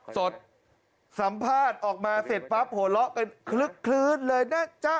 สดสัมภาษณ์ออกมาเสร็จปั๊บโหละกันคลึ๊ดเลยนะจ๊ะ